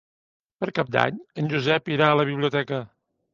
Per Cap d'Any en Josep irà a la biblioteca.